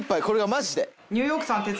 マジで。